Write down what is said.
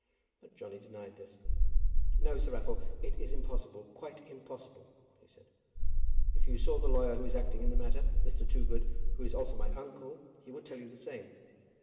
But Johnny denied this. "No, Sir Raffle, it is impossible; quite impossible," he said. "If you saw the lawyer who is acting in the matter, Mr. Toogood, who is also my uncle, he would tell you the same."